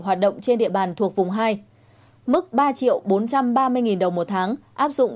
hoạt động trên địa bàn thuộc vùng hai mức ba triệu bốn trăm ba mươi đồng một tháng áp dụng